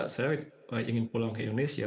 saya ingin pulang ke indonesia